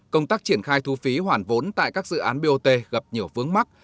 công tác triển khai thu phí hoàn vốn tại các dự án bot gặp nhiều vướng mắt